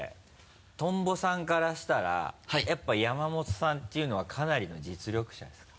トンボさんからしたらやっぱ山本さんっていうのはかなりの実力者ですか？